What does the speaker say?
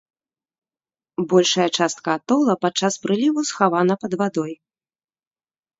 Большая частка атола падчас прыліву схавана пад вадой.